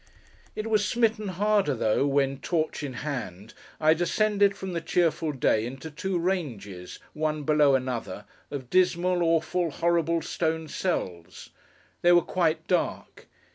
It was smitten harder though, when, torch in hand, I descended from the cheerful day into two ranges, one below another, of dismal, awful, horrible stone cells. They were quite dark.